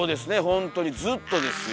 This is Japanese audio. ほんとにずっとですよ。